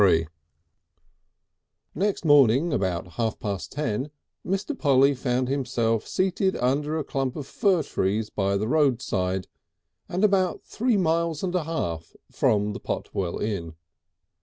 VII Next morning about half past ten Mr. Polly found himself seated under a clump of fir trees by the roadside and about three miles and a half from the Potwell Inn.